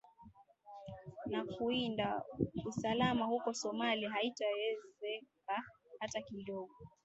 na kulinda usalama huko somali haitaezeka hata kidiogo